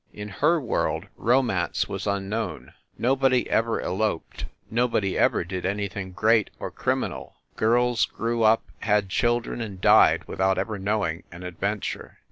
In her world romance was un known. Nobody ever eloped, nobody ever did any thing great or criminal. Girls grew up, had children and died without ever knowing an adventure.